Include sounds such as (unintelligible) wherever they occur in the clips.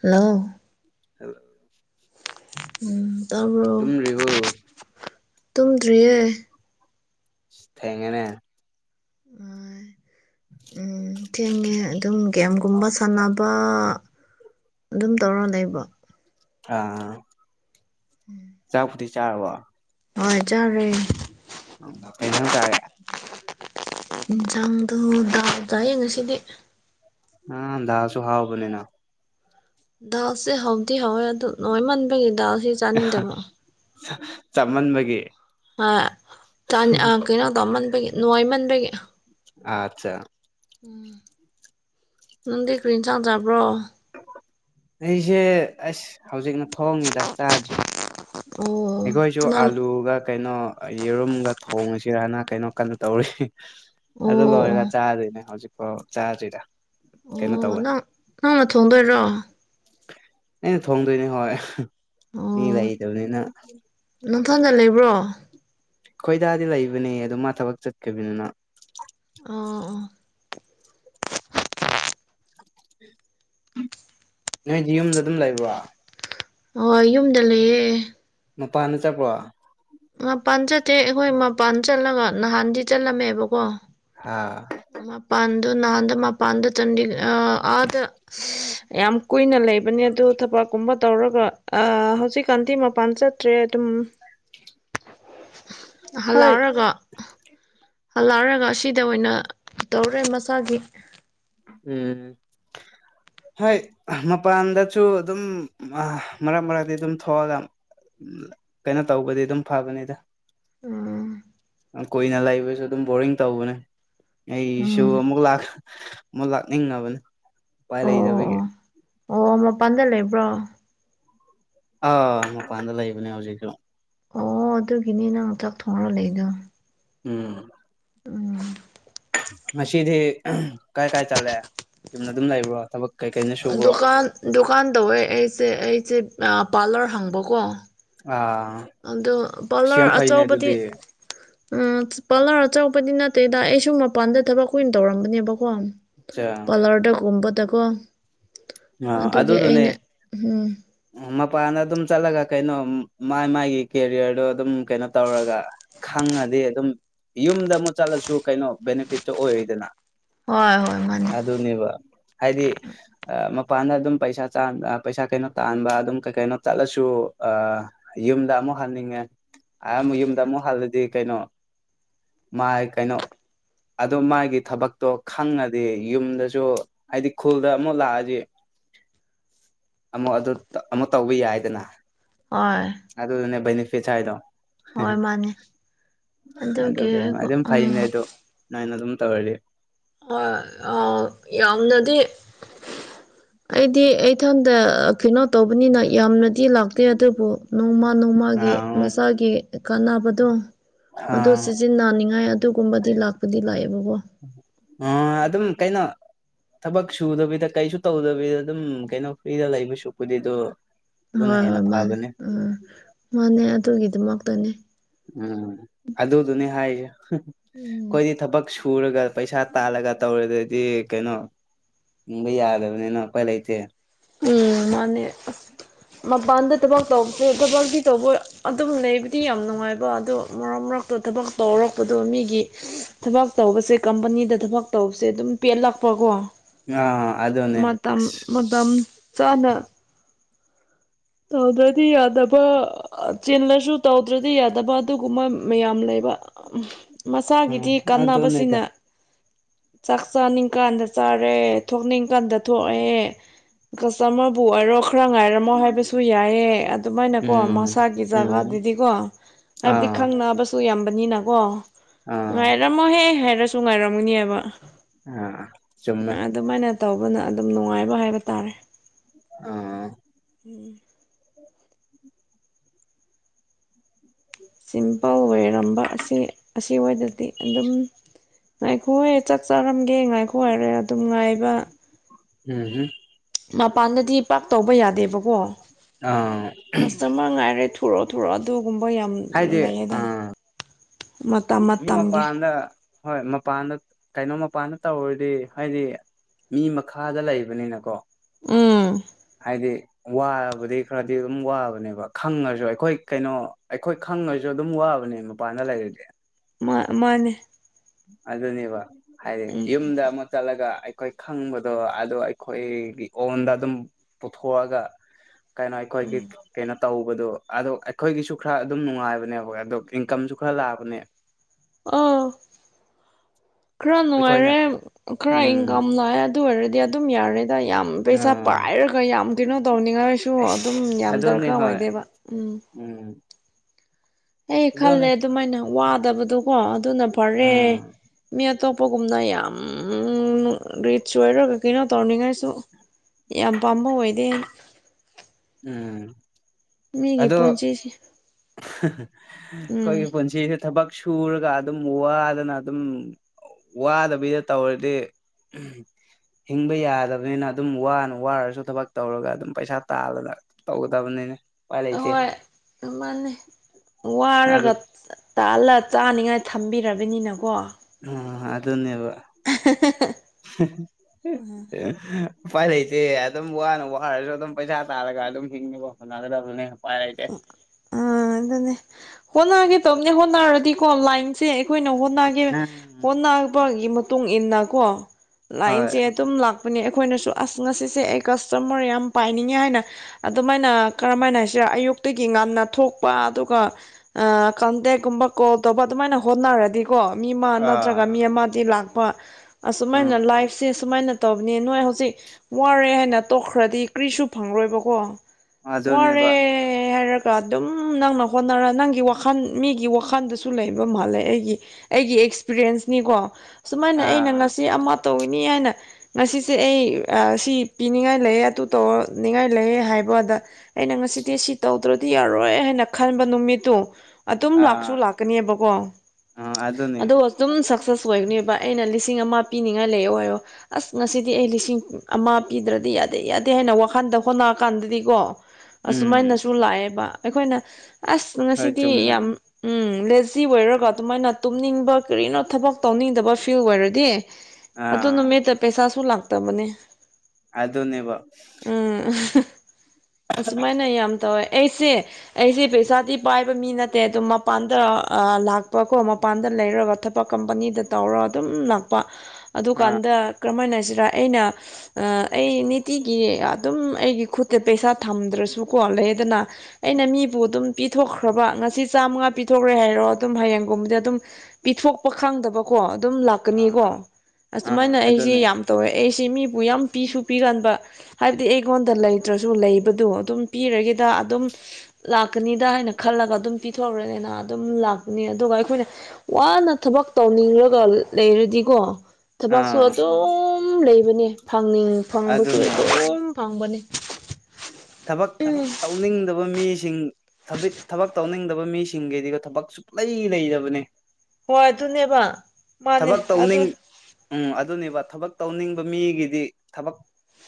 Hello hello ꯎꯝ ꯇꯥꯕ꯭ꯔꯣ ꯇꯨꯝꯗ꯭ꯔꯤꯕꯣ ꯇꯨꯝꯗ꯭ꯔꯤꯌꯦ ꯊꯦꯡꯉꯦꯅꯦ ꯎꯝ ꯊꯦꯡꯉꯦ ꯑꯗꯨꯝ ꯒꯦꯝꯒꯨꯝꯕ ꯁꯥꯟꯅꯕ ꯑꯗꯨꯝ ꯇꯧꯔ ꯂꯩꯕ ꯑꯥ ꯆꯥꯛꯄꯨꯗꯤ ꯆꯥꯔꯕꯣ ꯍꯣꯏ ꯆꯥꯔꯦ ꯀꯩ ꯍꯦꯟꯖꯥꯡ ꯆꯥꯔꯦ ꯖꯥꯡꯗꯨ ꯂꯥꯜ ꯆꯥꯏꯌꯦ ꯉꯁꯤꯗꯤ ꯑ ꯗꯥꯜꯁꯨ ꯍꯥꯎꯕꯅꯦꯅ ꯗꯥꯜꯁꯦ ꯍꯧꯗꯤ ꯍꯧꯋꯦ ꯑꯗꯨꯗ ꯅꯣꯡꯣꯏꯃꯟꯕꯒꯤ ꯗꯥꯜꯁꯤ ꯆꯥꯅꯤꯡꯗꯕ ꯆꯃꯟꯕꯒꯤ ꯀꯩꯅꯣ ꯇꯧꯃꯟꯕꯒꯤ ꯅꯣꯡꯉꯥꯏꯃꯟꯕꯒꯤ ꯑꯆꯥ ꯎꯝ ꯅꯪꯗꯤ ꯀꯔꯤ ꯑꯦꯆꯥꯡ ꯆꯥꯕ꯭ꯔꯣ ꯑꯩꯁꯦ ꯑꯁ ꯍꯧꯖꯤꯛꯅ ꯊꯣꯡꯉꯦꯗ ꯆꯥꯗ꯭ꯔꯤ ꯑꯣ ꯑꯩꯈꯣꯏꯁꯨ ꯀꯅꯥꯟ ꯑꯥꯂꯨꯒ ꯀꯩꯅꯣ ꯌꯦꯔꯨꯝꯒ ꯊꯣꯡꯉꯁꯤꯔꯅ ꯀꯩꯅꯣ ꯀꯟꯅ ꯇꯧꯔꯤ ꯑꯗꯨ ꯑꯣ ꯂꯣꯏꯔꯒ ꯑꯣ ꯆꯥꯗꯅꯦ ꯍꯧꯖꯤꯛꯥꯎ ꯆꯥꯗꯔꯤꯗ ꯑꯣ ꯅꯪ ꯅꯪ ꯅꯇꯣꯝꯗꯏꯔꯣ ꯑꯩꯅ ꯊꯣꯡꯗꯣꯏꯅꯤ ꯍꯣꯏ ꯃꯤ ꯑꯣ ꯂꯩꯇꯕꯅꯤꯅ ꯅꯊꯟꯗ ꯂꯩꯕ꯭ꯔꯣ ꯈꯣꯏꯗꯥꯗꯤ ꯂꯩꯕꯅꯦ ꯑꯗꯨ ꯃꯥ ꯊꯕꯛ ꯆꯠꯀꯕꯤꯅꯤꯅ ꯑꯥ ꯑꯥ ꯅꯣꯏꯗꯤ ꯌꯨꯝꯗ ꯑꯗꯨꯝ ꯂꯩꯕ꯭ꯔꯣ ꯑꯣ ꯌꯨꯝꯗ ꯂꯩꯌꯦ ꯃꯄꯥꯟꯗ ꯆꯠꯄ꯭ꯔꯣ ꯃꯄꯥꯟ ꯆꯠꯇꯦ ꯑꯩꯈꯣꯏ ꯃꯄꯥꯟ ꯆꯠꯂꯒ ꯅꯍꯥꯟꯗꯤ ꯆꯠꯂꯝꯃꯦꯕꯀꯣ ꯍꯥꯥ ꯃꯄꯥꯥꯟꯗ ꯅꯥꯟꯗ ꯃꯄꯗ (unintelligible) ꯑ ꯑꯗ ꯌꯥꯝ ꯀꯨꯏꯅ ꯂꯩ ꯅꯦ ꯑꯗꯨ ꯊꯕꯛꯀꯨꯝꯕ ꯇꯧꯔꯒ ꯍꯧꯖꯤꯛꯀꯥꯟꯗꯤ ꯃꯄꯥꯟ ꯆꯠꯇ꯭ꯔꯦ ꯑꯗꯨꯝ ꯍꯣꯏ ꯍꯜꯂꯛꯑꯒ ꯍꯜꯂꯛꯔꯒ ꯑꯁꯤꯗ ꯑꯣꯏꯅ ꯇꯧꯔꯦ ꯃꯁꯥꯒꯤ ꯎꯝ ꯍꯣꯏ ꯃꯄꯥꯟꯗꯁꯨ ꯑꯗꯨꯝ ꯑ ꯃꯔꯛ ꯃꯔꯛꯇꯤ ꯑꯗꯨꯝ ꯊꯣꯛꯑꯒ ꯀꯩꯅꯣ ꯇꯧꯕꯗꯤ ꯑꯗꯨꯝ ꯐꯕꯅꯤꯗ ꯎꯝ ꯌꯥꯝ ꯀꯨꯏꯅ ꯂꯩꯕꯁꯨ ꯑꯗꯨꯝ ꯕꯣꯔꯤꯡ ꯇꯧꯕꯅꯦ ꯑꯩꯁꯨ ꯎꯝ ꯑꯃꯨꯛ ꯑꯃꯨꯛ ꯂꯥꯛꯅꯤꯡꯉꯕꯅꯤ ꯎꯄꯥꯏ ꯑꯣ ꯂꯩꯇꯕꯒꯤ ꯑꯣ ꯃꯄꯥꯟꯗ ꯂꯩꯕ꯭ꯔꯣ ꯑꯥ ꯃꯄꯥꯟꯗ ꯂꯩꯕꯅꯦ ꯍꯧꯖꯤꯛꯁꯨ ꯑꯣ ꯑꯗꯨꯒꯤꯅꯤ ꯅꯪ ꯆꯥꯛ ꯊꯣꯡꯉ ꯂꯩꯗꯣ ꯎꯝ ꯎꯝ ꯉꯁꯤꯗꯤ ꯀꯥꯏ ꯀꯥꯏ ꯆꯠꯂꯦ ꯌꯨꯝꯅ ꯑꯗꯨꯝ ꯂꯩꯕ꯭ꯔꯣ ꯊꯕꯛ ꯀꯩꯀꯩꯅ ꯁꯨꯕ꯭ꯔꯣ ꯗꯨꯀꯥꯟ ꯗꯨꯀꯥꯟ ꯇꯧꯋꯦ ꯑꯩꯁꯦ ꯑꯩꯁꯦ ꯄꯥꯔꯂꯔ ꯍꯪꯕꯀꯣ ꯑꯥ ꯑꯗꯣ ꯑꯁ ꯄꯥꯂꯔ ꯌꯥꯝ ꯐꯩꯅꯦ ꯑꯆꯧꯕꯗꯤ ꯑꯗꯨꯗꯤ ꯄꯥꯂꯔ ꯑꯆꯧꯕꯗꯤ ꯅꯠꯇꯦꯗ ꯑꯩꯁꯨ ꯃꯄꯥꯟꯗ ꯊꯕꯛ ꯀꯨꯏꯅ ꯇꯧꯔꯝꯕꯅꯦꯕꯀꯣ ꯑꯆꯥ ꯀꯂꯔꯗꯒꯨꯝꯕꯗꯀꯣ ꯑꯗꯨꯗꯤ ꯑꯩꯅ ꯎꯝ ꯎ ꯃꯄꯥꯟꯗ ꯑꯗꯨꯝ ꯆꯠꯂꯒ ꯀꯩꯅꯣ ꯃꯥꯏ ꯃꯥꯥꯏꯒꯤ ꯀꯦꯔꯤꯌꯔꯗꯣ ꯑꯗꯨꯝ ꯀꯩꯅꯣ ꯇꯧꯔꯒ ꯈꯪꯉꯗꯤ ꯑꯗꯨꯝ ꯌꯨꯝꯗ ꯑꯃꯨꯛ ꯆꯠꯂꯁꯨ ꯀꯩꯅꯣ ꯕꯦꯅꯤꯐꯤꯠꯇꯣ ꯑꯣꯏꯔꯤꯗꯅ ꯍꯣꯏ ꯍꯣꯏ ꯃꯥꯅꯦ ꯑꯗꯨꯅꯦꯕ ꯍꯥꯏꯗꯤ ꯃꯄꯥꯟꯗ ꯑꯗꯨꯝ ꯄꯩꯁꯥ ꯄꯩꯁꯥ ꯀꯩꯅꯣ ꯇꯥꯟꯕ ꯑꯗꯨꯝ ꯀꯩ ꯀꯩꯅꯣ ꯆꯠꯂꯁꯨ ꯌꯨꯝꯗ ꯑꯃꯨꯛ ꯍꯟꯅꯤꯡꯉꯦ ꯑꯌꯥꯝ ꯌꯨꯝꯗ ꯑꯃꯨꯛ ꯍꯜꯂꯗꯤ ꯀꯩꯅꯣ ꯃꯥ ꯀꯩꯅꯣ ꯑꯗꯣ ꯃꯥꯒꯤ ꯊꯕꯛꯇꯣ ꯈꯪꯉꯗꯤ ꯌꯨꯝꯗꯁꯨ ꯍꯥꯏꯗꯤ ꯈꯨꯜꯗ ꯑꯃꯨꯛ ꯂꯥꯛꯑꯗꯤ ꯑꯃꯨꯛ ꯑꯗꯨ ꯑꯃꯨꯛ ꯇꯧꯕ ꯌꯥꯏꯗꯅ ꯍꯣꯏ ꯑꯗꯨꯗꯨꯅ ꯕꯦꯅꯤꯐꯤꯠꯁ ꯍꯥꯏꯗꯣ ꯍꯣꯏ ꯃꯥꯅꯦ ꯑꯗꯨꯒꯤ ꯑꯗꯨꯗꯨꯅꯦꯕ ꯑꯗꯨꯝ ꯐꯩꯅꯦ ꯎꯝ ꯑꯗꯣ ꯅꯣꯏꯅ ꯑꯗꯨꯝ ꯇꯧꯔꯗꯤ ꯑꯣꯏ ꯑ ꯌꯥꯝꯅꯗꯤ ꯑꯩꯗꯤ ꯏꯊꯟꯗ ꯀꯩꯅꯣ ꯇꯧꯕꯅꯤꯅ ꯌꯥꯝꯅꯗꯤ ꯂꯥꯛꯇꯦ ꯑꯗꯨꯕꯨ ꯅꯣꯡꯃ ꯅꯣꯡꯃꯒꯤ ꯑꯥ ꯃꯁꯥꯒꯤ ꯀꯥꯟꯅꯕꯗꯣ ꯃꯗꯨ ꯑꯥ ꯁꯤꯖꯤꯟ ꯅꯅꯤꯡꯉꯥꯏ ꯑꯗꯨꯒꯨꯝꯕꯗꯤ ꯂꯥꯛꯄꯗꯤ ꯂꯥꯛꯑꯦꯕꯀꯣ ꯑ ꯑꯗꯨꯝ ꯀꯩꯅꯣ ꯊꯕꯛ ꯁꯨꯗꯕꯤꯗ ꯀꯩꯁꯨ ꯇꯧꯗꯕꯤꯗ ꯑꯗꯨꯝ ꯀꯩꯅꯣ ꯐ꯭ꯔꯤꯗ ꯂꯩꯕꯁꯨꯛꯄꯨꯗꯤꯗꯨ ꯍꯣꯏ ꯍꯣꯏ ꯃꯥꯅꯦ ꯎꯝ ꯃꯥꯅꯦ ꯑꯗꯨꯒꯤꯗꯃꯛꯇꯅꯦ ꯎꯝ ꯑꯗꯨꯗꯨꯅꯦ ꯍꯥꯏꯖꯦ ꯎꯝ ꯈꯣꯏꯗꯤ ꯊꯕꯛ ꯁꯨ ꯄꯨꯔꯒ ꯄꯩꯁꯥ ꯇꯥꯜꯂꯒ ꯇꯧꯔꯦꯗꯗꯤ ꯀꯩꯅꯣ ꯍꯤꯡꯕ ꯌꯥꯗꯕꯅꯤꯅ ꯎꯄꯥꯏ ꯂꯩꯇꯦ ꯎꯝ ꯃꯥꯅꯦ ꯑꯁ ꯃꯄꯥꯟꯗ ꯊꯕꯛ ꯇꯧꯕꯁꯦ ꯊꯕꯛ ꯇꯧꯕ ꯑꯗꯨꯝ ꯂꯩꯕꯗꯤ ꯌꯥꯝ ꯅꯨꯡꯉꯥꯏꯕ ꯑꯗꯣ ꯃꯔꯛ ꯃꯔꯛ ꯇꯣ ꯊꯕꯛ ꯇꯧꯔꯛꯄꯗꯣ ꯃꯤꯒꯤ ꯊꯕꯛ ꯇꯧꯕꯁꯦ ꯀꯝꯄꯅꯤꯗ ꯊꯕꯛ ꯇꯧꯕꯁꯦ ꯑꯗꯨꯝ ꯄꯦꯜꯂꯛꯄꯀꯣ ꯑꯥ ꯑꯗꯨꯅꯦ ꯃꯇꯝ ꯑꯁ ꯃꯇꯝ ꯆꯥꯅ ꯇꯧꯗ꯭ꯔꯗꯤ ꯌꯥꯗꯕ ꯑꯥ ꯆꯤꯜꯂꯁꯨ ꯇꯧꯗ꯭ꯔꯗꯤ ꯌꯥꯗꯕ ꯑꯗꯨꯒꯨꯝꯕ ꯃꯌꯥꯝ ꯂꯩꯕ ꯎꯝ ꯃꯁꯥꯒꯤꯗꯤ ꯑꯗꯨꯅꯦꯗ ꯀꯥꯟꯅꯕꯁꯤꯅ ꯆꯥꯛ ꯆꯥꯅꯤꯡ ꯀꯥꯟꯗ ꯆꯥꯔꯦ ꯊꯣꯛꯅꯤꯡ ꯀꯥꯟꯗ ꯊꯣꯛꯑꯦ ꯀꯁꯇꯃꯔꯕꯨ ꯑꯣꯏꯔꯣ ꯈꯔ ꯉꯥꯏꯔꯝꯃꯣ ꯍꯥꯏꯕꯁꯨ ꯁꯨ ꯌꯥꯏꯌꯦ ꯑꯗꯨꯃꯥꯏꯅꯀꯣ ꯎꯝ ꯃꯁꯥꯒꯤ ꯎꯝ ꯖꯒꯥꯗꯨꯗꯤꯀꯣ ꯍꯥꯏꯕꯗꯤ ꯑꯥ ꯈꯪꯅꯕ ꯁꯨ ꯌꯥꯝꯕꯅꯤꯅ ꯀꯣ ꯑꯥ ꯉꯥꯏꯔꯝꯃꯣꯍꯦ ꯍꯥꯏꯔꯁꯨ ꯉꯥꯏꯔꯝꯒꯅꯤꯕ ꯑꯥ ꯆꯨꯝꯃꯦ ꯑꯗꯨꯃꯥꯏꯅ ꯇꯧꯕꯅ ꯑꯗꯨꯝ ꯅꯨꯡꯉꯥꯏꯕ ꯍꯥꯏꯕ ꯇꯥꯔꯦ ꯑ ꯎꯝ ꯁꯤꯝꯄꯜ ꯑꯣꯏꯔꯝꯕ ꯑꯁꯤ ꯑꯁꯤ ꯑꯣꯏꯗꯗꯤ ꯑꯗꯨꯝ ꯉꯥꯏꯈꯣꯍꯦ ꯆꯥꯛ ꯆꯥꯔꯝꯒꯦ ꯉꯥꯏꯈꯣ ꯍꯥꯏꯔꯦ ꯑꯗꯨꯝ ꯉꯥꯏꯕ ꯎꯝ ꯍꯝ ꯃꯄꯥꯟꯗꯗꯤ ꯄꯥꯛ ꯇꯧꯕ ꯌꯥꯗꯦꯕꯀꯣ ꯑꯥ ꯀꯁꯇꯃꯔ ꯉꯥꯏꯔꯦ ꯊꯨꯔꯣ ꯊꯨꯔꯣ ꯑꯗꯨꯒꯨꯝꯕ ꯌꯥꯝ ꯍꯥꯏꯗꯤ ꯑ ꯂꯩꯌꯦꯗ ꯃꯇꯝ ꯃꯤ ꯃꯇꯝꯒꯤ ꯃꯄꯥꯟꯗ ꯍꯣꯏ ꯃꯄꯥꯟꯗ ꯀꯩꯅꯣ ꯃꯄꯥꯟꯗ ꯇꯧꯔꯗꯤ ꯍꯥꯏꯗꯤ ꯃꯤ ꯃꯈꯥꯗ ꯂꯩꯕꯅꯤꯅꯀꯣ ꯎꯝ ꯍꯥꯏꯗꯤ ꯋꯥꯕꯗꯤ ꯈꯔꯗꯤ ꯑꯗꯨꯝ ꯋꯥꯕꯅꯦꯕ ꯈꯪꯉꯁꯨ ꯑꯩꯈꯣꯏ ꯀꯩꯅꯣ ꯑꯩꯈꯣꯏ ꯈꯪꯉꯁꯨ ꯑꯗꯨꯝ ꯋꯥꯕꯅꯦ ꯄꯥꯅ ꯂꯩꯔꯗꯤ ꯃꯥ ꯃꯥꯅꯦ ꯑꯗꯨꯅꯤꯕ ꯍꯥꯏꯗꯤ ꯎꯝ ꯌꯨꯝꯗ ꯑꯃ ꯆꯠꯂꯒ ꯑꯩꯈꯣꯏ ꯈꯪꯕꯗꯣ ꯑꯗꯣ ꯑꯩꯈꯣꯏꯒꯤ ꯑꯣꯟꯗ ꯑꯗꯨꯝ ꯄꯨꯊꯣꯛꯑꯒ ꯀꯩꯅꯣ ꯑꯩꯈꯣꯏꯒꯤ ꯎꯝ ꯀꯩꯅꯣ ꯇꯧꯕꯗꯣ ꯑꯗꯣ ꯑꯩꯈꯣꯏꯒꯤꯁꯨ ꯈꯔ ꯑꯗꯨꯝ ꯅꯨꯡꯉꯥꯏꯕꯅꯦꯕ ꯍꯣꯏ ꯑꯗꯣ ꯏꯟꯀꯝꯁꯨ ꯈꯔ ꯂꯥꯛꯄꯅꯦ ꯑꯣ ꯈꯔ ꯑꯩꯈꯣꯏꯅ ꯅꯨꯡꯉꯥꯏꯔꯦ ꯈꯔ ꯎꯝ ꯏꯪꯒꯝ ꯂꯥꯛꯑꯦ ꯑꯗꯨ ꯑꯣꯏꯔꯗꯤ ꯑꯗꯨꯝ ꯌꯥꯔꯦꯗ ꯌꯥꯝ ꯄꯩꯁꯥ ꯑꯥ ꯄꯥꯏꯔꯒ ꯌꯥꯝ ꯀꯩꯅꯣ ꯇꯧꯅꯤꯡꯉꯥꯏꯁꯨ ꯑꯗꯨꯝ ꯑꯁ ꯌꯥꯝ ꯑꯗꯨꯅꯦ ꯗꯔꯀꯥꯔ ꯍꯣꯏ ꯑꯣꯏꯗꯦꯕ ꯎꯝ꯫ ꯎꯝ ꯑꯦ ꯈꯜꯂꯦ ꯑꯗꯨꯅꯦ ꯑꯗꯨꯃꯥꯏꯅ ꯋꯥꯗꯕꯗꯨꯀꯣ ꯑꯗꯨꯅ ꯐꯔꯦ꯫ ꯎꯝ ꯃꯤ ꯑꯇꯣꯞꯄꯒꯨꯝꯅ ꯌꯥꯝ ꯔꯤꯆ ꯑꯣꯏꯔꯒ ꯀꯩꯅꯣ ꯇꯧꯅꯤꯡꯉꯥꯏꯁꯨ ꯌꯥꯝ ꯄꯥꯝꯕ ꯑꯣꯏꯗꯦ꯫ ꯎꯝ ꯃꯤꯒꯤ ꯑꯗꯣ ꯄꯨꯟꯁꯤꯁꯦ (unintelligible) ꯎꯝ ꯑꯈꯣꯏꯒꯤ ꯄꯨꯟꯁꯤꯁꯦ ꯊꯕꯛ ꯁꯨꯔꯒ ꯑꯗꯨꯝ ꯋꯥꯗꯅ ꯑꯗꯨꯝ ꯋꯥꯗꯕꯤꯗ ꯇꯧꯔꯗꯤ ꯍꯤꯡꯕ ꯌꯥꯗꯕꯅꯤꯅ ꯑꯗꯨꯝ ꯋꯥꯅ ꯋꯥꯔꯁꯨ ꯊꯕꯛ ꯇꯧꯔꯒ ꯑꯗꯨꯝ ꯄꯩꯁꯥ ꯇꯥꯜꯂꯒ ꯇꯧꯒꯗꯕꯅꯤꯅꯦ ꯎꯄꯥꯏ ꯂꯩꯇꯦ ꯑꯍꯣꯏ ꯃꯥꯅꯦ ꯑꯗꯨ ꯋꯥꯔꯒ ꯇꯥꯜꯂ ꯆꯥꯅꯤꯡꯉꯥꯏ ꯊꯝꯕꯤꯔꯕꯅꯤꯅꯀꯣ ꯑ ꯑꯗꯨꯟꯅꯦꯕ꯫ (unintelligible) (unintelligible) (unintelligible) ꯎꯄꯥꯏ ꯂꯩꯇꯦ ꯑꯗꯨꯝ ꯋꯥꯅ ꯋꯥꯔꯁꯨ ꯑꯗꯨꯝ ꯄꯩꯁꯥ ꯇꯥꯜꯒ ꯑꯗꯨꯝ ꯍꯤꯡꯅꯕꯣ ꯍꯣꯠꯅꯒꯗꯕꯅꯦ ꯎꯄꯥꯏ ꯂꯩꯇꯦ ꯑꯥ ꯑꯗꯨꯅꯦ ꯍꯣꯠꯅꯒꯦ ꯇꯧꯕꯅꯦ ꯍꯣꯠꯅꯔꯗꯤꯀꯣ ꯂꯥꯏꯟꯁꯦ ꯑꯩꯈꯣꯏꯅ ꯍꯣꯠꯅ (unintelligible) ꯎꯝ ꯍꯣꯠꯅꯕꯒꯤ ꯃꯇꯨꯡ ꯏꯟꯅ ꯀꯣ ꯍꯣꯏ ꯂꯥꯏꯟꯁꯦ ꯑꯗꯨꯝ ꯂꯥꯛꯄꯅꯤ ꯑꯩꯈꯣꯏꯅꯁꯨ ꯑꯁ ꯉꯁꯤꯁꯦ ꯑꯩ ꯀꯁꯇꯃꯔ ꯌꯥꯝ ꯄꯥꯏꯅꯤꯡꯉꯦ ꯍꯥꯏꯅ ꯑꯗꯨꯃꯥꯏꯅ ꯀꯔꯝ ꯍꯥꯏꯅ ꯍꯥꯏꯁꯤꯔ ꯑꯌꯨꯛ ꯑꯗꯨꯒꯤ ꯉꯟꯅ ꯊꯣꯛꯄ ꯑꯗꯨꯒ ꯀꯟꯇꯦꯛꯀꯨꯝꯕ ꯀꯣꯜ ꯇꯧꯕ ꯑꯗꯨꯃꯥꯏꯅ ꯍꯣꯠꯅꯔꯗꯤ ꯀꯣ ꯃꯤ ꯑꯃ ꯅꯠꯇ꯭ꯔꯒ ꯑꯥ ꯃꯤ ꯑꯃꯗꯤ ꯂꯥꯛꯄ ꯑꯁꯨꯃꯥꯏꯅ ꯎꯝ ꯂꯥꯏꯐ ꯁꯦ ꯁꯨꯃꯥꯏꯅ ꯇꯧꯕꯅꯦ ꯅꯣꯏ ꯍꯧꯖꯤꯛ ꯋꯥꯔꯦ ꯍꯥꯏꯅ ꯇꯣꯛꯈ꯭ꯔꯗꯤ ꯀꯔꯤꯁꯨ ꯐꯪꯔꯣꯏꯕꯀꯣ ꯋꯥꯔꯦ ꯑꯗꯨꯅꯦꯕ ꯑꯦ ꯍꯥꯏꯔꯒ ꯑꯗꯨꯝ ꯅꯪꯅ ꯍꯣꯠꯅꯔ ꯅꯪꯒꯤ ꯋꯥꯈꯟ ꯃꯤꯒꯤ ꯋꯥꯈꯟꯗꯁꯨ ꯂꯩꯕ ꯃꯥꯜꯂꯦ ꯑꯩꯒꯤ ꯑꯩꯒꯤ ꯑꯦꯛꯁꯄꯤꯔꯦꯟꯁꯅꯤꯀꯣ ꯁꯨꯃꯥꯏꯅ ꯑꯩꯅ ꯑꯥ ꯉꯁꯤ ꯑꯃ ꯇꯧꯒꯅꯤ ꯍꯥꯏꯅ ꯉꯁꯤꯁꯦ ꯑꯩ ꯁꯤ ꯄꯤꯅꯤꯡꯉꯥꯏ ꯂꯩꯑꯦ ꯑꯗꯨ ꯇꯧꯔꯅꯤꯡꯉꯥꯏ ꯂꯩꯑꯦ ꯍꯥꯏꯕꯣ ꯑꯗ ꯑꯩꯅ ꯉꯁꯤꯗꯤ ꯁꯤ ꯇꯧꯗ꯭ꯔꯗꯤ ꯌꯥꯔꯣꯏ ꯍꯥꯏꯅ ꯈꯟꯕ ꯅꯨꯃꯤꯠꯇꯨ ꯑꯗꯨꯝ ꯂꯥꯛꯁꯨ ꯑꯥ ꯂꯥꯛꯀꯅꯦꯕꯀꯣ ꯑꯥ ꯑꯗꯨꯅꯦ ꯑꯗꯨꯒ ꯑꯗꯨꯝ ꯁꯛꯁꯦꯁ ꯑꯣꯏꯒꯅꯦꯕ ꯑꯩꯅ ꯂꯤꯁꯤꯡ ꯑꯃ ꯄꯤꯅꯤꯡꯉꯥꯏ ꯂꯩꯌꯣ ꯑꯣꯏꯌꯣ꯫ ꯑꯁ ꯉꯁꯤꯗꯤ ꯑꯩ ꯂꯤꯁꯤꯡ ꯑꯃ ꯄꯤꯗ꯭ꯔꯗꯤ ꯌꯥꯗꯦ ꯌꯥꯗꯦ ꯍꯥꯏꯅ ꯋꯥꯈꯟꯗ ꯍꯣꯠꯅꯀꯥꯟꯗꯗꯤꯀꯣ꯫ ꯎꯝ ꯑꯁꯨꯃꯥꯏꯅꯁꯨ ꯂꯥꯛꯑꯦꯕ ꯑꯩꯈꯣꯏꯅ ꯑꯁ ꯍꯣꯏ ꯉꯁꯤꯗꯤ ꯆꯨꯝꯃꯦ ꯌꯥꯝ ꯎꯝ (inaudible) ꯂꯦꯖꯤ ꯑꯣꯏꯔꯒ ꯑꯗꯨꯃꯥꯏꯅ ꯇꯨꯝꯅꯤꯡꯕ ꯀꯔꯤꯅꯣ ꯊꯕꯛ ꯇꯧꯅꯤꯡꯗꯕ ꯐꯤꯜ ꯑꯣꯏꯔꯗꯤ ꯑꯗꯨ ꯑꯥ ꯅꯨꯃꯤꯠꯇ ꯄꯩꯁꯥꯁꯨ ꯂꯥꯛꯇꯕꯅꯦ꯫ ꯑꯗꯨ ꯅꯦꯕ ꯎꯝ (unintelligible) ꯑꯁꯨꯃꯥꯏꯅ ꯌꯥꯝ ꯇꯧꯋꯦ ꯑꯩꯁꯦ ꯑꯩꯁꯤ ꯄꯩꯁꯥꯗꯤ ꯄꯥꯏꯕ ꯃꯤ ꯅꯠꯇꯦ ꯑꯗꯨꯝ ꯃꯄꯥꯟꯗ ꯂꯥꯛꯄꯀꯣ ꯃꯄꯥꯟꯗ ꯂꯩꯔꯒ ꯊꯕ ꯄ ꯀꯝꯄꯅꯤꯗ ꯇꯧꯔ ꯑꯗꯨꯝ ꯂꯥꯛꯄ ꯑꯥ ꯑꯗꯨꯀꯥꯟꯗ ꯀꯔꯝꯍꯥꯏꯅ ꯍꯥꯏꯁꯤꯔ ꯑꯩꯅ ꯑ ꯑꯩ ꯅꯤꯇꯤꯒꯤ ꯑꯗꯨꯝ ꯑꯩꯒꯤ ꯈꯨꯠꯇ ꯄꯩꯁꯥ ꯊꯝꯗ꯭ꯔꯁꯨꯀꯣ ꯂꯩ ꯗꯨꯅ ꯑꯩꯅ ꯃꯤꯕꯨ ꯑꯗꯨꯝ ꯄꯤꯊꯣꯛꯈ꯭ꯔꯕ ꯉꯁꯤ ꯆꯥꯝꯃꯉꯥ ꯄꯤꯊꯣꯛꯈ꯭ꯔꯦ ꯍꯥꯏꯔꯣ ꯑꯗꯨꯝ ꯍꯌꯦꯡꯒꯨꯝꯕꯗꯤ ꯑꯗꯨꯝ ꯄꯤꯊꯣꯛꯄ ꯈꯪꯗꯕꯀꯣ ꯑꯗꯨꯝ ꯂꯥꯛꯀꯅꯤꯀꯣ ꯑꯥ ꯑꯥ ꯑꯁꯨꯃꯥꯏꯅ ꯑꯩꯁꯦ ꯑꯗꯨꯅꯦ ꯌꯥꯝ ꯇꯧꯋꯦ ꯑꯩꯁꯦ ꯃꯤꯕꯨ ꯌꯥꯝ ꯄꯤꯁꯨ ꯄꯤꯒꯟꯕ ꯍꯥꯏꯕꯗꯤ ꯑꯩꯉꯣꯟꯗ ꯂꯩꯇ꯭ꯔꯁꯨ ꯂꯩꯕꯗꯨ ꯑꯗꯨꯝ ꯄꯤꯔꯒꯦꯗ ꯑꯗꯨꯝ ꯂꯥꯛꯀꯅꯤꯗ ꯍꯥꯏꯅ ꯈꯜꯂꯒ ꯑꯗꯨꯝ ꯄꯤꯊꯣꯛꯔꯦꯅꯦꯅ ꯑꯗꯨꯝ ꯂꯥꯛꯀꯅꯤ ꯑꯗꯨꯒ ꯑꯩꯈꯣꯏꯅ ꯋꯥꯅ ꯊꯕꯛ ꯇꯧꯅꯤꯡꯔꯒ ꯂꯩꯔꯗꯤꯀꯣ ꯊꯕꯛꯁꯨ ꯑꯥ ꯑꯗꯨꯝ ꯂꯩꯕꯅꯦ ꯐꯪꯅꯤꯡ ꯐꯪꯕꯁꯨ ꯑꯗꯨꯅꯦ ꯑꯗꯨꯝ ꯐꯪꯕꯅꯤ ꯊꯕꯛ ꯇꯧꯅꯤꯡꯗꯕ ꯃꯤꯁꯤꯡ ꯊꯛ ꯊꯕꯛ ꯇꯧꯅꯤꯡꯗꯕ ꯃꯤꯁꯤꯡꯒꯤꯗꯤꯒꯣ ꯊꯕꯛ ꯁꯨꯛꯂꯩ ꯂꯩꯇꯕꯅꯦ ꯍꯣꯏ ꯑꯗꯨꯅꯦꯕ ꯃꯥꯅꯦ ꯊꯕꯛ ꯑꯗꯨ ꯇꯧꯅꯤꯡ ꯎꯝ ꯑꯗꯨꯅꯦꯕ ꯊꯕꯛ ꯇꯧꯅꯤꯡꯕ ꯃꯤꯒꯤꯗꯤ ꯊꯕꯛ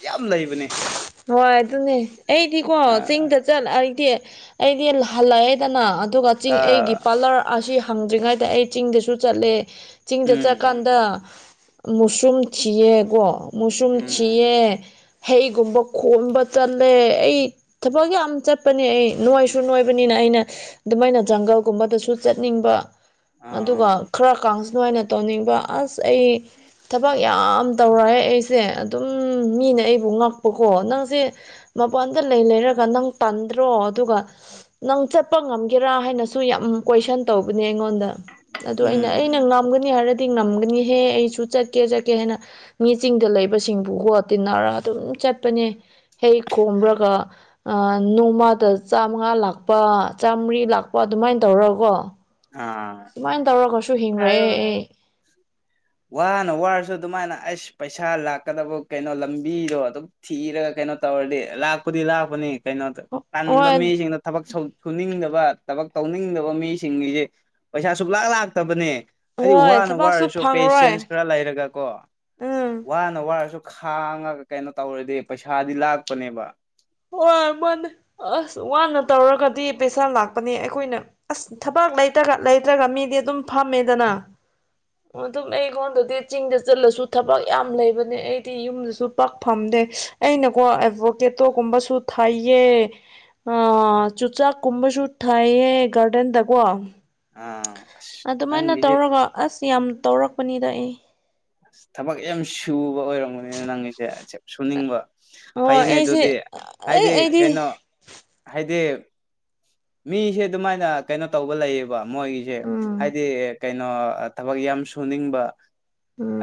ꯌꯥꯝ ꯂꯩꯕꯅꯦ ꯍꯣꯏ ꯑꯗꯨꯅꯦ ꯑꯩꯗꯤꯀꯣ ꯆꯤꯡꯗ ꯆꯜ ꯑꯩꯗꯤ ꯑꯩꯗꯤ ꯍꯜꯂꯛꯑꯦꯗꯅ ꯑꯗꯨꯒ ꯆꯤꯡ ꯑꯩꯒꯤ ꯑꯥ ꯄꯥꯂꯔ ꯑꯁꯤ ꯍꯪꯗ꯭ꯔꯤꯉꯩꯗ ꯑꯩ ꯆꯤꯡꯗꯁꯨ ꯆꯠꯂꯦ ꯆꯤꯡꯗ ꯎꯝ ꯆꯠꯀꯥꯟꯗ ꯗ ꯃꯨꯁꯔꯨꯝ ꯊꯤꯌꯦꯀꯣ ꯃꯨꯁꯔꯨꯝ ꯎꯝ ꯊꯤꯌꯦ ꯍꯩꯒꯨꯝꯕ ꯈꯣꯝꯕ ꯆꯠꯂꯦ ꯑꯩ ꯊꯕꯛ ꯌꯥꯝ ꯆꯠꯄꯅꯦ ꯑꯩ ꯅꯣꯏꯁꯨ ꯅꯣꯏꯕꯅꯤꯅ ꯑꯩꯅ ꯑꯗꯨꯃꯥꯏꯅ ꯖꯪꯒꯜꯒꯨꯝꯕꯗꯁꯨ ꯆꯠꯅꯤꯡꯕ ꯑꯗꯨꯒ ꯑꯥ ꯈꯔ ꯀꯥꯡꯁꯅꯨ ꯍꯥꯏꯅ ꯇꯧꯅꯤꯡꯕ ꯑꯁ ꯑꯩ ꯊꯕꯛ ꯌꯥꯝ ꯇꯧꯔꯑꯦ ꯑꯩꯁꯦ ꯑꯗꯨꯝ ꯃꯤꯅ ꯑꯩ ꯐ ꯉꯥꯛꯄꯀꯣ ꯅꯪꯁꯦ ꯃꯄꯥꯟꯗ ꯂꯩ ꯂꯩꯔꯒ ꯅꯪ ꯇꯟꯗ꯭ꯔꯣ ꯑꯗꯨꯒ ꯅꯪ ꯆꯠꯄ ꯉꯝꯒꯦꯔꯥ ꯍꯥꯏꯅꯁꯨ ꯌꯥꯝ ꯀꯣꯏꯁꯟ ꯇꯧꯕꯅꯦ ꯑꯩꯉꯣꯟꯗ ꯑꯗꯨ ꯑꯩꯅ ꯎꯝ ꯑꯩꯅ ꯉꯥꯝꯒꯅꯤ ꯍꯥꯏꯔꯗꯤ ꯉꯝꯒꯅꯤꯍꯦ ꯑꯩꯁꯨ ꯆꯠꯀꯦ ꯆꯠꯀꯦ ꯍꯥꯏꯅ ꯃꯤ ꯆꯤꯡꯗ ꯂꯩꯕꯁꯤꯡꯕꯨꯒꯣ ꯇꯤꯟꯅꯔ ꯑꯗꯨꯝ ꯆꯠꯄꯅꯦ ꯍꯦꯛ ꯈꯣꯝꯕ꯭ꯔꯒ ꯅꯣꯡꯃꯗ ꯆꯥꯃꯉꯥ ꯂꯥꯛꯄ ꯆꯥꯝꯃꯔꯤ ꯂꯥꯛꯄ ꯑꯗꯨꯃꯥꯏꯅ ꯇꯧꯔꯒꯀꯣ ꯑꯥ ꯁꯨꯃꯥꯏꯅ ꯇꯧꯔꯒꯁꯨ ꯍꯤꯡꯔꯦ ꯍꯥꯏꯔꯣ ꯑꯩ ꯋꯥꯅ ꯋꯥꯔꯁꯨ ꯑꯗꯨꯃꯥꯏꯅ ꯑꯁ ꯄꯩꯁꯥ ꯂꯥꯛꯀꯗꯕ ꯀꯩꯅꯣ ꯂꯝꯕꯤꯗꯣ ꯑꯗꯨꯝ ꯊꯤꯔꯒ ꯀꯩꯅꯣ ꯇꯧꯔꯗꯤ ꯂꯥꯛꯄꯨꯗꯤ ꯂꯥꯛꯄꯅꯤ ꯀꯩꯅꯣꯗ ꯇꯟꯕ ꯍꯣꯏ ꯃꯤꯁꯤꯡꯅ ꯊꯕꯛ ꯁꯧ ꯁꯨꯅꯤꯡꯗꯕ ꯊꯕꯛ ꯇꯧꯅꯤꯡꯗꯕ ꯃꯤꯁꯤꯡꯒꯤꯗꯤ ꯄꯩꯁꯥ ꯁꯨꯛꯂꯥꯛ ꯂꯥꯛꯇꯕꯅꯦ ꯍꯥꯏꯗꯤ ꯍꯣꯏ ꯋꯥꯅ ꯊꯕꯛꯁꯨ ꯋꯥꯔꯁꯨ ꯐꯪꯔꯣꯏ ꯄꯦꯁꯦꯟꯁ ꯈꯔ ꯂꯩꯔꯒꯀꯣ ꯎꯝ ꯋꯥꯅ ꯋꯥꯔꯁꯨ ꯈꯥꯡꯉꯒ ꯀꯩꯅꯣ ꯇꯧꯔꯗꯤ ꯄꯩꯁꯥꯗꯤ ꯂꯥꯛꯄꯅꯦꯕ ꯍꯣꯏ ꯃꯥꯅꯤ ꯑꯁ ꯋꯥꯅ ꯇꯧꯔꯒꯗꯤ ꯄꯩꯁꯥ ꯂꯥꯛꯄꯅꯦ ꯑꯩꯈꯣꯏꯅ ꯑꯁ ꯊꯕꯛ ꯂꯩꯇꯒ ꯂꯩꯇ꯭ꯔꯒ ꯃꯤꯗꯤ ꯑꯗꯨꯝ ꯐꯝꯃꯦꯗꯅ (inaudible) ꯑꯗꯨꯝ ꯑꯩꯉꯣꯟꯗꯗꯤ ꯆꯤꯡꯗ ꯆꯠꯂꯁꯨ ꯊꯕꯛ ꯌꯥꯝ ꯂꯩꯕꯅꯦ ꯑꯩꯗꯤ ꯌꯨꯝꯗꯁꯨ ꯄꯥꯛ ꯐꯝꯗꯦ ꯑꯩꯅꯀꯣ ꯑꯦꯠꯚꯣꯀꯥꯇꯣꯒꯨꯝꯕꯁꯨ ꯊꯥꯏꯌꯦ ꯑ ꯆꯨꯆꯥꯛꯀꯨꯝꯕꯁꯨ ꯊꯥꯏꯌꯦ ꯒꯥꯔꯗꯦꯟꯗꯀꯣ ꯑꯥ ꯑꯁ ꯑꯗꯨꯃꯥꯏꯅ ꯅꯪꯒꯤꯁꯦ ꯇꯧꯔꯒ ꯑꯁ ꯌꯥꯝ ꯇꯧꯔꯛꯄꯅꯤꯗ ꯑꯩ ꯊꯕꯛ ꯌꯥꯝ ꯁꯨꯕ ꯑꯣꯏꯔꯝꯕꯅꯤꯅ ꯅꯪꯒꯤꯁꯦ ꯁꯨꯅꯤꯡꯕ ꯍꯣꯏ ꯐꯩꯅꯦ ꯑꯩꯁꯦ ꯑꯗꯨꯗꯤ ꯑꯩ ꯍꯥꯏꯗꯤ ꯑꯩꯗꯤ ꯀꯩꯅꯣ ꯍꯥꯏꯗꯤ ꯃꯤꯁꯦ ꯑꯗꯨꯃꯥꯏꯅ ꯀꯩꯅꯣ ꯇꯧꯕ ꯂꯩꯌꯦꯕ ꯃꯣꯏꯒꯤꯁꯦ ꯎꯝ ꯍꯥꯏꯗꯤ ꯀꯩꯅꯣ ꯊꯕꯛ ꯌꯥꯝ ꯁꯨꯅꯤꯡꯕ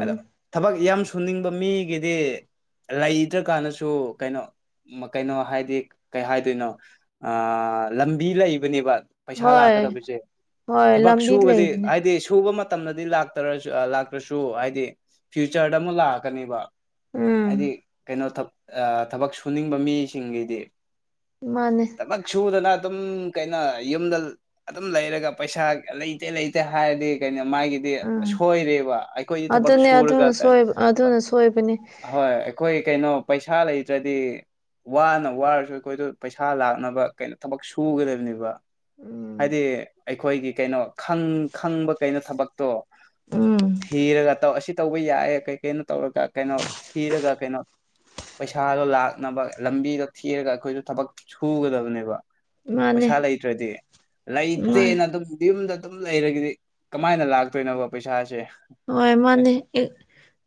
ꯑꯗꯣ ꯊꯕꯛ ꯌꯥꯝ ꯊꯨꯅꯤꯡꯕ ꯃꯤꯒꯤꯗꯤ ꯂꯩꯇ꯭ꯔꯀꯥꯟꯗꯁꯨ ꯀꯩꯅꯣ ꯀꯩꯅꯣ ꯍꯥꯏꯗꯤ ꯀꯩ ꯍꯥꯏꯗꯣꯏꯅꯣ ꯑ ꯂꯝꯕꯤ ꯂꯩꯕꯅꯦꯕ ꯄꯩꯁꯥ ꯍꯣꯏ ꯂꯥꯛꯀꯗꯕꯁꯦ ꯍꯣꯏ ꯊꯕꯛ ꯂꯝꯕꯤ ꯁꯨꯕꯗꯤ ꯂꯩꯕꯅꯦ ꯍꯥꯏꯗꯤ ꯁꯨꯕ ꯃꯇꯝꯗꯗꯤ ꯂꯥꯛ ꯁꯨ ꯂꯥꯛꯇ꯭ꯔꯁꯨ ꯍꯥꯏꯗꯤ ꯐ꯭ꯌꯨꯆꯔꯗ ꯑꯃꯨꯛ ꯂꯥꯛꯀꯅꯦꯕ ꯎꯝ ꯍꯥꯏꯗꯤ ꯀꯩꯅꯣ ꯊꯕꯛ ꯁꯨꯅꯤꯡꯕ ꯃꯤꯁꯤꯡꯒꯤꯗꯤ ꯃꯅꯦ ꯊꯕꯛ ꯁꯨꯗꯅ ꯑꯗꯨꯝ ꯀꯩꯅꯣ ꯌꯨꯝꯗ ꯑꯗꯨꯝ ꯂꯩꯔꯒ ꯄꯩꯁꯥ ꯂꯩꯇꯦ ꯂꯩꯇꯦ ꯍꯥꯏꯔꯗꯤ ꯀꯩꯅꯣ ꯃꯥꯒꯤ ꯎꯝ ꯁꯣꯏꯔꯦꯕ ꯑꯩꯈꯣꯏꯗꯤ ꯊꯕꯛ ꯑꯗꯨꯅꯦ ꯑꯗꯨꯅ ꯁꯨꯔꯒ ꯀꯩꯅꯣ ꯁꯣꯏꯕ ꯑꯗꯨꯅ ꯁꯣꯏꯕꯅꯦ ꯍꯣꯏ ꯑꯩꯈꯣꯏ ꯀꯩꯅꯣ ꯄꯩꯁꯥ ꯂꯩꯇ꯭ꯔꯗꯤ ꯋꯥꯅ ꯋꯥꯔꯁꯨ ꯑꯩꯈꯣꯏꯗꯣ ꯄꯩꯁꯥ ꯂꯥꯛꯅꯕ ꯀꯩꯅꯣ ꯊꯕꯛ ꯁꯨꯒꯗꯕꯅꯦꯕ ꯎꯝ ꯍꯥꯏꯗꯤ ꯑꯩꯈꯣꯏꯒꯤ ꯀꯩꯅꯣ ꯈꯪ ꯈꯪꯕ ꯀꯩꯅꯣ ꯊꯕꯛꯇꯣ ꯎꯝ ꯊꯤꯔꯒ ꯇꯧ ꯑꯁꯤ ꯇꯧꯕ ꯌꯥꯏ ꯀꯩ ꯀꯩꯅꯣ ꯇꯧꯔꯒ ꯀꯩꯅꯣ ꯊꯤꯔꯒ ꯀꯩꯅꯣ ꯄꯩꯁꯥꯗꯣ ꯂꯥꯛꯅꯕ ꯂꯝꯕꯤꯗꯣ ꯊꯤꯔꯒ ꯑꯩꯈꯣꯏꯁꯨ ꯊꯕꯛ ꯁꯨꯒꯗꯕꯅꯦꯕ ꯃꯥꯅꯦ ꯄꯩꯁꯥ ꯂꯩꯇ꯭ꯔꯗꯤ ꯃꯥ ꯂꯩꯇꯦꯅ ꯑꯗꯨꯝ ꯌꯨꯝꯗ ꯑꯗꯨꯝ ꯂꯩꯔꯒꯗꯤ ꯀꯃꯥꯏꯅ ꯂꯥꯛꯇꯣꯏꯅꯣꯕ ꯄꯩꯁꯥꯁꯦ ꯍꯣꯏ ꯃꯥꯅꯦ ꯑꯦꯛ꯫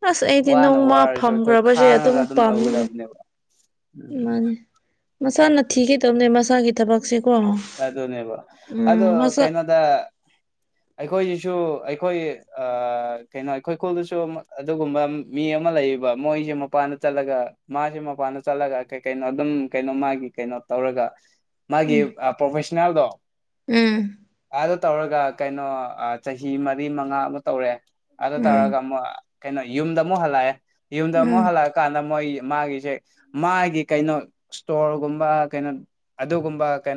ꯑꯁ ꯑꯩꯗꯤ ꯋꯥꯅ ꯅꯣꯡꯃ ꯋꯥꯔꯁꯨ ꯑꯩꯈꯣꯏ ꯐꯝꯒꯔꯕꯁꯦ ꯑꯗꯨꯝ ꯈꯥꯡꯉꯒ ꯄꯥꯝꯃꯤꯅꯦ ꯇꯧꯒꯗꯕꯅꯦꯕ ꯎꯝ ꯃꯥꯅꯦ ꯃꯁꯥꯅ ꯊꯤꯒꯗꯧꯅꯦ ꯃꯁꯥꯒꯤ ꯊꯕꯛꯁꯦꯀꯣ ꯍꯣꯏ ꯑꯗꯨꯗꯅꯦꯕ ꯑꯗꯨ ꯎꯝ ꯃꯁꯥ ꯀꯩꯩꯅꯣꯗ꯫ ꯑꯩꯈꯣꯏꯁꯤꯁꯨ ꯑꯩꯈꯣꯏ ꯀꯩꯅꯣ ꯑꯩꯈꯣꯏ ꯈꯨꯨꯜꯗꯁꯨ ꯑꯗꯨꯒꯨꯝꯕ ꯃꯤ ꯑꯃ ꯂꯩꯌꯦꯕ ꯃꯣꯏꯁꯦ ꯃꯄꯥꯟꯗ ꯆꯠꯂꯒ ꯃꯥꯖꯦ ꯃꯄꯥꯟꯗ ꯆꯠꯂꯒ ꯀꯩ ꯀꯩꯅꯣ ꯑꯗꯨꯝ ꯀꯩꯅꯣ ꯃꯥꯒꯤ ꯀꯩꯅꯣ ꯇꯧꯔꯒ ꯃꯥꯒꯤ ꯑ ꯄ꯭ꯔꯣꯐꯦꯁꯅꯦꯜꯗꯣ ꯎꯝ꯫ ꯑꯥꯗ ꯇꯧꯔꯒ ꯀꯩꯅꯣ ꯆꯍꯤ ꯃꯔꯤ ꯃꯉꯥ ꯑꯃ ꯇꯧꯔꯦ ꯑꯗꯨ ꯎꯝ ꯇꯧꯔꯒ ꯑꯃꯨꯛ ꯀꯩꯅꯣ ꯌꯨꯝꯗ ꯑꯃꯨꯛ ꯍꯜꯂꯛꯑꯦ ꯌꯨꯝꯗ ꯑꯃꯨꯛ ꯎꯝ ꯍꯜꯂꯛ꯫ ꯀꯥꯟꯗ ꯃꯣꯏ ꯃꯥꯒꯤꯁꯦ ꯃꯥꯒꯤ ꯀꯩꯅꯣ ꯁꯇꯣꯔꯒꯨꯝꯕ ꯀꯩꯅꯣ ꯑꯗꯨꯒꯨꯝꯕ ꯀꯩ